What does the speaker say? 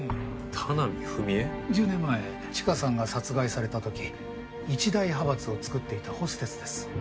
１０年前チカさんが殺害された時一大派閥を作っていたホステスです。